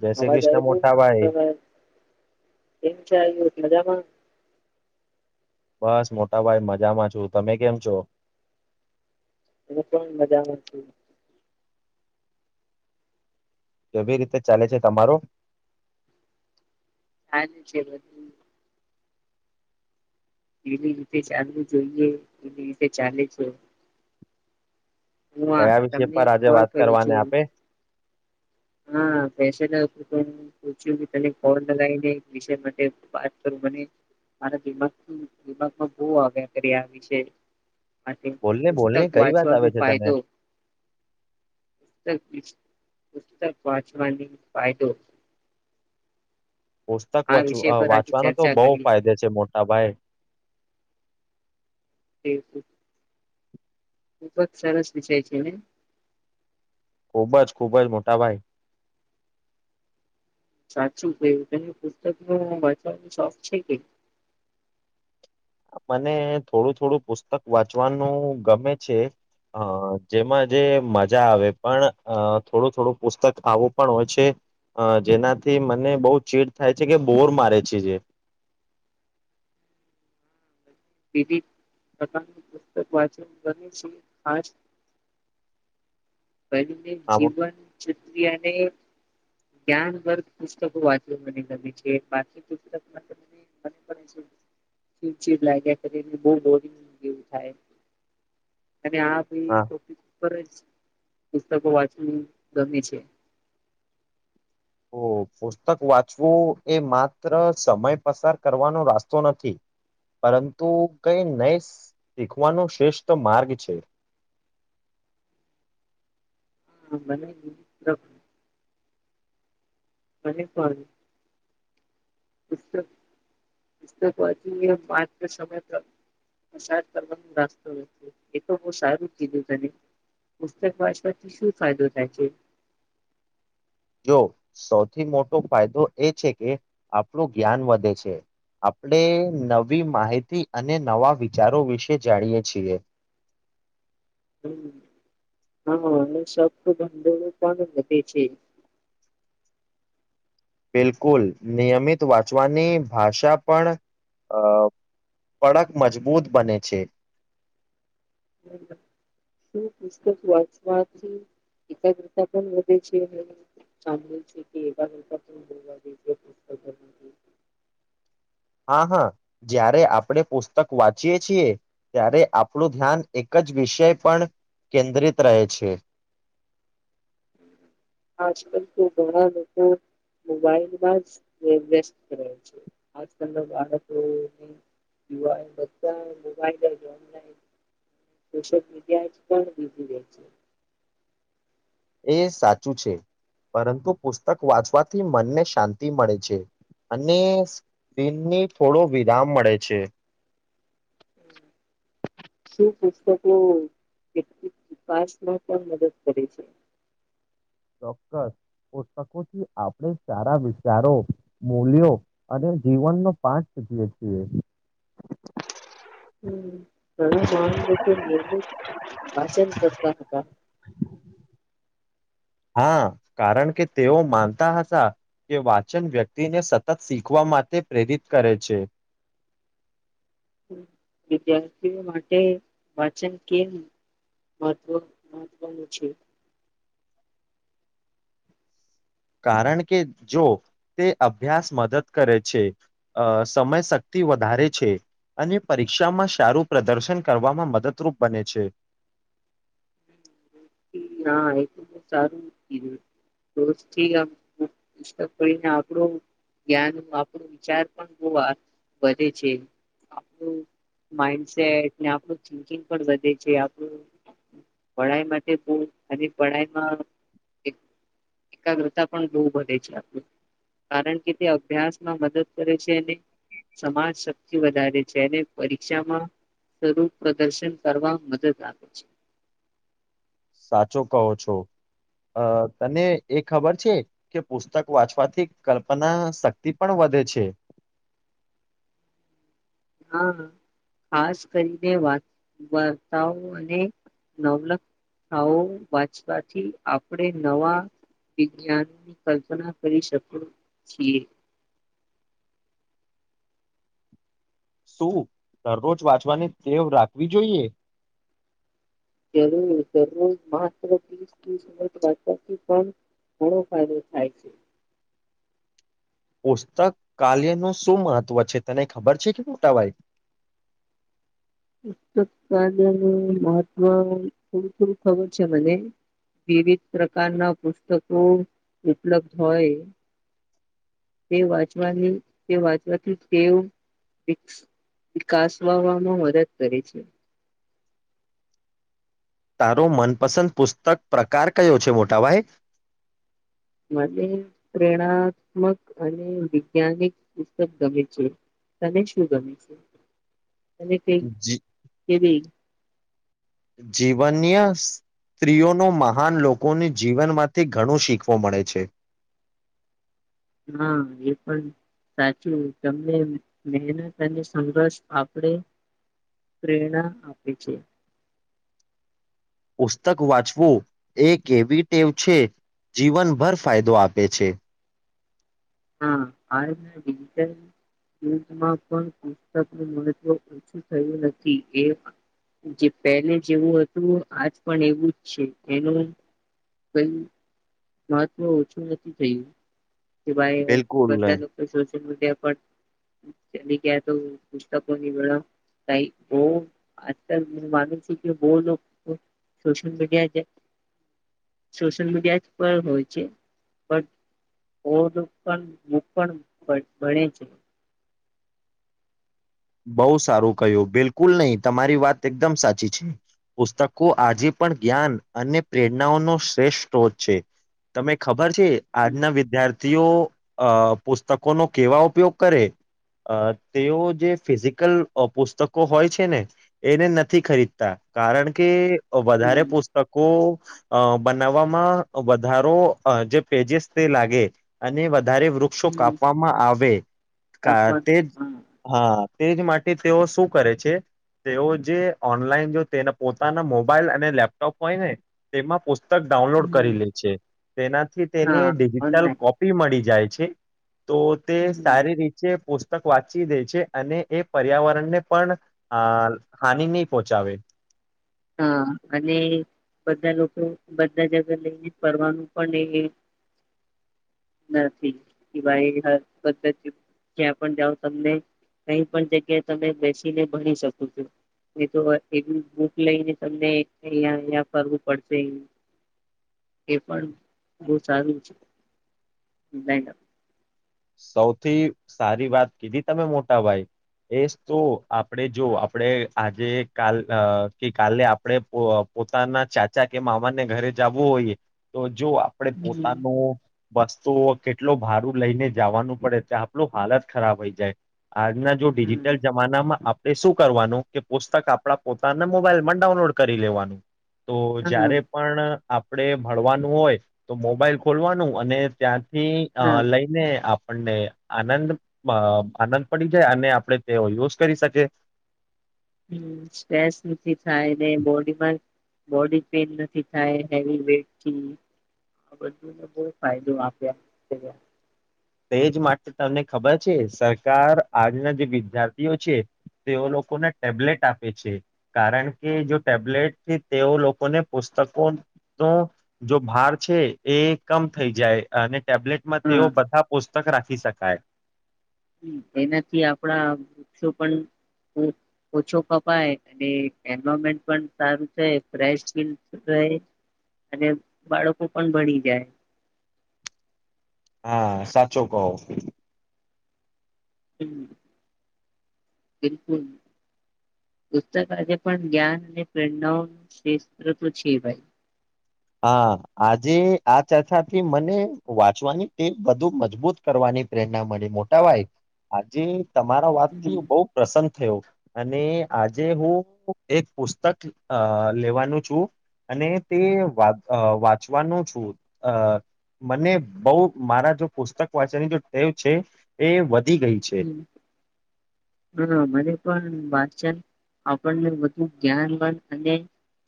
જય શ્રી અવાજ કૃષ્ણ આવે છે મોટા ભાઈ તમે કેમ છો મજામાં. બસ મોટાભાઈ મજામાં છું. તમે કેમ છો? અમે પણ મજામાં છે. કેવી રીતે ચાલે છે તમારો હારુ છે બધું એવી રીતે ચાલવું જોઈએ એવી રીતે ચાલે છે. હું આ કયા વિષય તમને પર આજે કોલ વાત કરું કરવાને છું આપે. હા પસે પૂછ્યું તને ખોર લગાવીને વિષય માટે વાત કરું મને મારા દિમા દિમાગમાં બહ આવ્યા કરી આ વિષ માટે બોલને પુસ્તક બોલને કઈ વાત વાંચવાનો આવે છે તને ફાયદો પુસ્તક વાંચવાની ફાયદો. પુસ્તક આ વિષય વા પર આજે વાંચવાનો તો ચર્ચા બહુ કરી ફાયદે છે મોટા ભાઈ [inaudible] ખુબ જ સરસ વિષય છે ને ખૂબ જ ખૂબ જ મોટા ભાઈ સાચું કે તને પુસ્તક નો વાંચવાનો શોખ છે કે મને થોડું થોડું પુસ્તક વાંચવાનું ગમે છે અ જેમાં જે મજા આવે પણ અ થોડું થોડું પુસ્તક ખાવું પણ હોય છે જેનાથી મને બહુ ચેડ થાય છે કે બોર મારે છે જે વિ પ્રકારની પુસ્તક વાચન ગ છે ખ બને આમ જીવન કતિયાને [inaudible] બહ દોરી એવું થાય અને આ ખરેજ પુસ્તકો વાંચવાની ગમ છે તો પુસ્તક વાંચવું એ માત્ર સમય પસાર કરવાનો રાસ્તો નથી પરંતુ કઈ નહી શીખવાનો શ્રેષ્ઠ માર્ગ છે હા મને અને પણ [unintelligible] પુસ્તક પુસ્તક વાંચવું સમય કરવાનુંસ્તો એ તો બ સારું કીધું પુસ્તક વાચવાથી શું ફાયદો થાય છે જો સૌથી મોટો ફાયદો એ છે કે આપણું જ્ઞાન વધે છે આપણે નવી માહિતી અને નવા વિચારો વિશે જાણીએ છીએ હમ હા એ શબ ધંધોું પણ વધે છે બિલકુલ નિયમિત વાંચવાની ભાષા પણ અ કડક મજબૂત બને છે શું પુસ્તક વાંચવાથી એકાગ્રતા પણ વધે છે સાભે છે કે એકાગતા બોલવા દે હા હા જ્યારે આપણે પુસ્તક વાંચીએ છીએ ત્યારે આપણું ધ્યાન એક જ વિષય પણ કેન્દ્રિત રહે છે આજકાલ તો ઘણા લોકો મોબાઈલમાં જ આ અભ્યાસ કરે છે આજલના બાળકો બધા મોબાઈલ સોશિયલ મીડિયા એ સાચું છે પરંતુ પુસ્તક વાંચવાથી મનને શાંતિ મળે છે અને સ્પીનની થોડો વિરામ મળે છે [unintelligible] સુું પુસ્તકો કેટલીક વિકાસમાં પણ મદદ કરે છે ચોક્કસ પુસ્તકોથી આપણે સારા વિચારો મૂલ્યો અને જીવનનો પાઠ શીધીએ છીએ હમ ઘણા મહાન લોકો નિર્મિત વાચન કરતા હતા હા કારણ કે તેઓ માનતા હ હતા કે વાચન વ્યક્તિને સતત શીખવા માટે પ્રેરિત કરે છે હમ. વિદ્યાર્થીઓ માટે વાચન કેમ મહત્વ મહત્વનું છે કારણ કે જો તે અભ્યાસ મદદ કરે છે. અ સમય શક્તિ વધારે છે. અને પરીક્ષામાં સારું પ્રદર્શન કરવામાં મદદરૂપ બને છે. ના એ સાચુ કીધું, રોજથી પુતક પને આપણું જ્ઞાન, આપણો વિચાર પણ બો આ વધે છે. આપણ માઇન્ડસેટ ને આપણું થિન્કિંગ પણ વધે છે, આપણું પડાઈમાં કે તું આની પડાઈમાં એક એકાગ્રતા પણ બહુ વધે છે આપણી કારણ કે તે અભ્યાસમાં મદદ કરે છે અને સમાજ શક્તિ વધારે છે. અને પરીક્ષામાં સ્વરૂપ પ્રદર્શન કરવા મદદ આપે છે. સાચો કહો છો. અ તને એ ખબર છે, કે પુસ્તક વાંચવાથી કલ્પના શક્તિ પણ વધે છે? હહ ખાસ કરીને વાત વાર્તાઓ અને નવલખાઓ વાંચવાથી આપણે નવા વિજ્ઞાનની કલ્પના કરી શકીએ. શું દરોજ વાંચવાની ટેવ રાખવી જોઈએ? જરૂર જરૂર માત્ર ત્રીસથી [inaudible] પણ ઘણો ફાયદો થાય છે. પુસ્તક કાલ્યનું શું મહત્ત્વ છે તને ખબર છે કે મોટાભાઈ? પુસ્તકલ્યનું મહત્વ થોડું થોડું ખબર છે મને. વિવિધ પ્રકારના પુસ્તકો ઉપલબ્ધ હોય. તે વાંચવાની તે વાંચવાથી ટેવ વિક્સ વિકાસવામાં મદદ કરે છે. તારો મનપસંદ પુસ્તક પ્રકાર કયો છે મોટાભાઈ? મને પ્રેરણાત્મક અને વિૈજ્ઞાનિક પુસ્તક ગમે છે. તને શું ગમે છે? ત કઈ કેવી. જીવન્ય સ્ત્રીઓનો મહાન લોકોને જીવનમાંથી ઘણું શીખવો મળે છે. હા એ પણ સાચું તમને મહેનત અને સંઘર્ષ આપણે પ્રેરણા આપે છે. પુસ્તક વાંચવું એક એવી ટેવ છે જીવનભર ફાયદો આપે છે. હા હાલના ડિજિટલ યુગમાં પણ પુસ્તકનું મહત્વ ઓછું થયું નથી એ જે પહેલે જેવું હતું આજ પણ એવું જ છે એનું. કઈ મહત્વ ઓછું નથી થયું. કે ભાઈ બિલકુલ બધા નહી લોકો સોશલ મીડિયા પર. ચલી ક્યા તો પુસ્તકોની [unintelligible] બ આજલ માનું છું કે બહ લોકો સોશિયલ મીડિયા જ સોશિયલ મીડિયા જ. હોય છે [unintelligible] ભણે છે. બહુ સારું કહ્યું બિલકુલ નહીં તમારી વાત એકદમ સાચી છે પુસ્તકો આજે પણ જ્ઞાન અને પ્રેરણાઓનો શ્રેષ્ઠ સોત છે તમે ખબર. ર છે હમ આજના વિદ્યાર્થી. ઓ અ પુસ્તકોનો કેવા ઉપયોગ કરે અ તેઓ જે. ફિઝિકલ પુસ્તકો હોય છે ને એને નથી ખરીદતા કારણ કે. વધારે હમ પુસ્તકો. અ બનાવવામાં વધારો અ જે પેજસ તે લાગે અને. વધારે વૃક્ષો હમ કાપવામાં આવે અકોન તે જ હા હા. તેજ માટે તેઓ શું કરે છે તેઓ જે ઓનલાઈન જો તેના પોતાના મોબાઈલ અને લેપટોપ હોય ને તેમાં પુ પુસ્તક ડાઉનલોડ હમ્મ. કરી લે છે તેનાથી તેને હા ડિજિટલ ઓનલાઈન કોપી મળી જાય. છે. તો તે હમ્મ. સારી રીતે પુ સતક વાતચી દે છે. અને એ પર્યાવરણને પણ અ હાનિ નહી પહોંચાવે હા અને બધા લોકો બધા જગ્યા લઈને ફરવાનું પણ એ નથી કે ભાઈ જ્યાં પણ જાઓ તમને કઈ પણ જગ્યાએ તમે બેસીને ભણી શકો છો એ તો એવી. લઈને તમને અહ અહ ફરવું પડશે એ પણ બહ સારું છેડમ. સૌથી સારી વાત કીધી તમે મોટા ભાઈ એ તો આપણેે જો આપણે આજે કાલ કે કાલે આપણે પોતાના ચાચા કે મામાને ઘરે જવું હોઈએ તો. જો આપડે હમ પોતાનું. વસ્તુ કેટલો ભારું લઈને. જવાનું પડે તો આપલું હાલત ખરાબ હોઈ જાય. આજના જો હમ ડિજિટલ જમાનામાં. એ શું કરવાનું કે પુસ્તક આપણા પોતાના મોબાઈલમાં ડાઉનલોડ કરી લેવાનું. તો હા જારે પણ. આપણે ભણવાનું હોય તો મોબાઈલ ખોલવાનું અને ત્યાં થી અ હા લઈને. આપણને આનંદ અ આનંદ પડી જાય અને આપણે તે યુઝ કરી શકીએ. હમ સ્ટસ નથી થાય ને બોડીમાં બોડી પેન નથી થાય હેવી વેટથી આ બધુંને બ ફાયદો આપ્યા. તેજ માટે તમને ખબર છે સરકાર આજના જે વિદ્યાર્થીઓ છે તેઓ લોકોને ટેબ્લેટ આપે છે કારણ કે જો ટેબ્લેટ છે તેઓ લોકોને પુસ્તકોનો જો ભાર છે એ કમ થઈ જાય અને. ટેબ્લેટમાં હા તેઓ બધા. પુસ્તક રાખી શકાય એનાથી આપણા વૃક્ષો પણ ઓછો કપાય અને એવામેન્ટ પણ સારું છે ફ ફ અને બાળકો પણ ભળી જાય હા સાચું કહો હ બિલકુલ પુસ્તક આજે પણ જ્ઞાન અને પ્રેરણાઓ ન ક્ષેત્ર તો છે ભાઈ હા આજે આ ચર્ચાથી મને વાંચવાની એ બુ મજબૂત કરવાની પ્રેરણા મળી મોટાભાઈ આજે તમારા વાત હમ થી બહુ પ્રસન્ન થયો અને આજે હું એક પુસ્તક અ લેવાનું છું અને તે વાંચ‌અ વાચવાનું છું અ મને બહુ મારા જો પુસ્તક વાંચવાની જો ટેવ છે એ ગઈ છે હમ હા મને પણ વાચ વાચન‌ આપણે બંઘુ ‌ગાયન નવ અને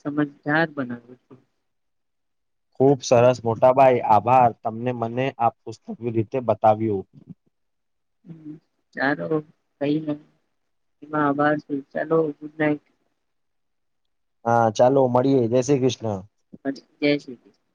સમજદાર બનાવ ખુબ સરસ મોટા ભાઈ આપ આભાર તમને મને આ પુસ્તક રીતે બતાવ્યું હ ચાલો કઈ ન એમાં આભાર ચાલો ગુડ નાઈટ હા ચાલો મળીએે જય શ્રી કૃષ્ણ જય શ્રીકૃષ્ણ